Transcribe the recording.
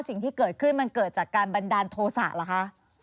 สิ่งที่เกิดขึ้นมันเกิดจากการบันดาลโทษะเหรอคะ